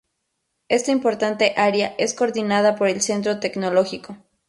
Esta importante área es coordinada por el Centro Tecnológico.